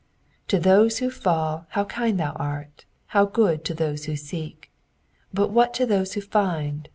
" To those who fall, how kind thou art ! How pood to those who seek 1 But what to those who find